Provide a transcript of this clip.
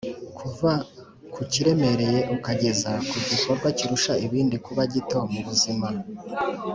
kuva ku kiremereye ukageza ku gikorwa kirusha ibindi kuba gito mu buzima